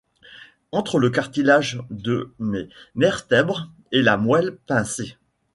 entre le cartilage de mes vertèbres et la moelle pincée.